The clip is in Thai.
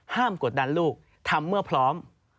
กดดันลูกทำเมื่อพร้อม